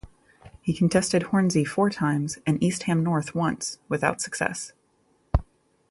He contested Hornsey four times and East Ham North once, without success.